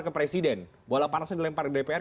ke presiden bola panasnya dilempar di dpr